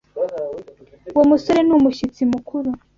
Uwo musore ni umushyitsi mukuru.